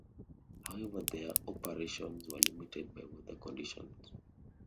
However their operations were limited by weather conditions.